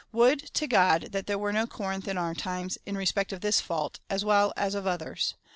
Would to God that there were no Corinth in our times, in respect of this fault, as well as of others